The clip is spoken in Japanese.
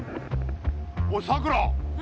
おいさくら！